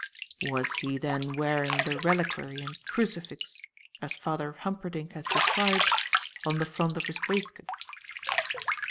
"Was he then wearing the reliquary and crucifix as Father Humperdinck has described, on the front of his waistcoat?"